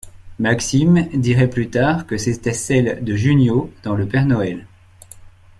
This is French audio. Maxime dirait plus tard que c’était celle de Jugnot dans le Père Noël.